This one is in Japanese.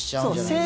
そう！